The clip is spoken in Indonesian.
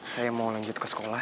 saya mau lanjut ke sekolah